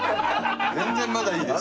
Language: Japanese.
全然まだいいです。